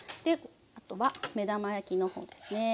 あとは目玉焼きの方ですね。